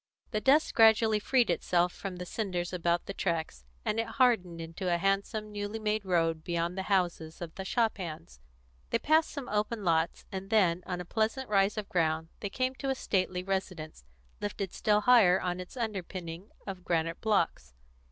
The dust gradually freed itself from the cinders about the tracks, and it hardened into a handsome, newly made road beyond the houses of the shop hands. They passed some open lots, and then, on a pleasant rise of ground, they came to a stately residence, lifted still higher on its underpinning of granite blocks.